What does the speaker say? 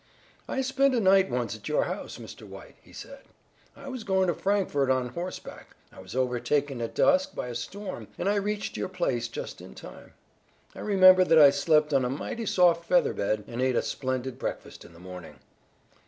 "I spent a night once at your house, Mr. White," he said. "I was going to Frankfort on horseback. I was overtaken at dusk by a storm and I reached your place just in time. I remember that I slept on a mighty soft feather bed, and ate a splendid breakfast in the morning."